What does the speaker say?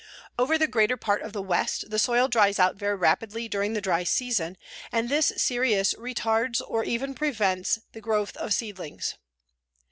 Over the greater part of the West the soil dries out very rapidly during the dry season, and this serious retards or even prevents the growth of seedlings.